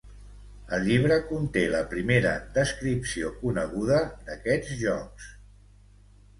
El llibre conté la primera descripció coneguda d'aquests jocs.